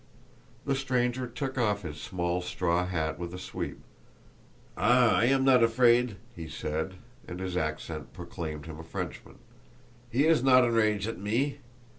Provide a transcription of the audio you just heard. The stranger took off his small straw hat with a sweep. "Ah, I am not afraid," he said, and his accent proclaimed him a Frenchman; "he is not enrage at me.